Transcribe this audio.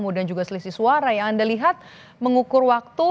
dan juga selisih suara yang anda lihat mengukur waktu